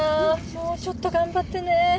もうちょっと頑張ってね。